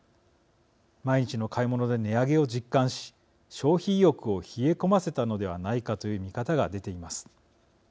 毎日の買い物で値上げを実感し消費意欲を冷え込ませたのではないかという見方が出ています。